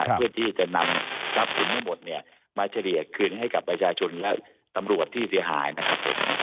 เพื่อที่จะนำทรัพย์สินทั้งหมดเนี่ยมาเฉลี่ยคืนให้กับประชาชนและตำรวจที่เสียหายนะครับผม